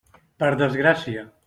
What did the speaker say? Per desgràcia.